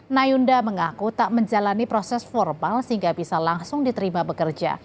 nayunda mengaku tak menjalani proses formal sehingga bisa langsung diterima bekerja